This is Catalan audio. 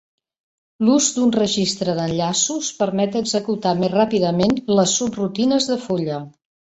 L'ús d'un registre d'enllaços permet executar més ràpidament les subrutines de fulla.